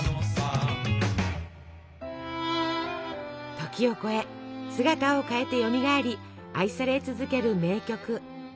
時を超え姿を変えてよみがえり愛され続ける名曲。